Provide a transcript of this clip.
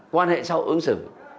quan hệ sau ứng xử